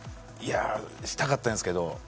したかったんですけど。